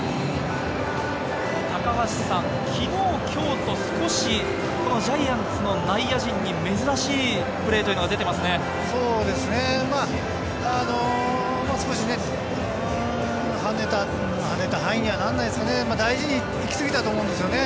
昨日、今日と少しジャイアンツの内野陣に珍しいプレーというのが出てますね。